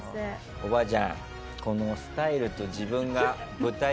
おばあちゃん。